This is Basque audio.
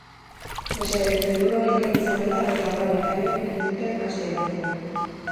Mesedez, beldur hori ken dezatela eta obra bikainak entzuten has daitezela.